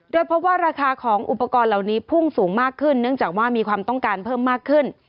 โดยพบว่าราคาของอุปกรณ์เหล่านี้พุ่งสูงมากขึ้นเนื่องจากว่ามีความต้องการเพิ่มมากขึ้น